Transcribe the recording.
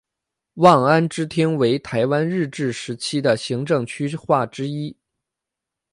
望安支厅为台湾日治时期的行政区划之一。